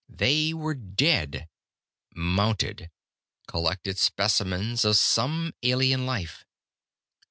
They were dead. Mounted. Collected specimens of some alien life.